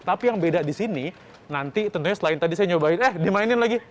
tapi yang beda di sini nanti tentunya selain tadi saya nyobain eh dimainin lagi